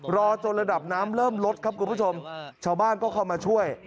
รอจนระดับน้ำเริ่มลดครับคุณผู้ชมชาวบ้านก็เข้ามาช่วย